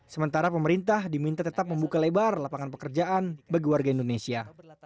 sementara pemerintah diminta tetap membuka lebar lapangan pekerjaan bagi warga indonesia